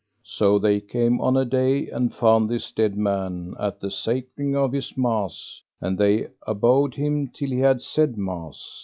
So they came on a day, and found this dead man at the sacring of his mass, and they abode him till he had said mass.